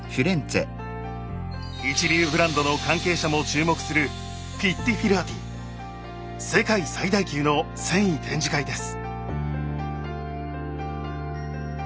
一流ブランドの関係者も注目する世界最大級の繊維展示会です。